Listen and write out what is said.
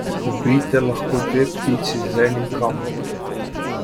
Ubijte lahko dve ptici z enim kamnom.